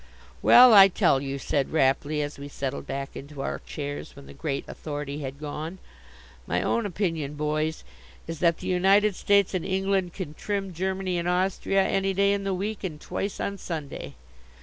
"Well, I tell you," said Rapley, as we settled back into our chairs when the Great Authority had gone, "my own opinion, boys, is that the United States and England can trim Germany and Austria any day in the week and twice on Sunday."